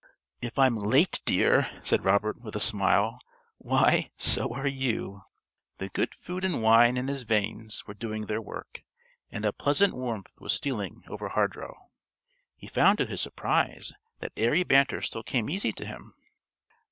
_) "If I'm late, dear," said Robert, with a smile, "why, so are you." The good food and wine in his veins were doing their work, and a pleasant warmth was stealing over Hardrow. He found to his surprise that airy banter still came easy to him.